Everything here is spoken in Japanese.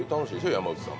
山内さん。